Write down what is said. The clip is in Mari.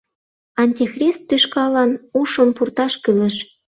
— Антихрист тӱшкалан ушым пурташ кӱлеш!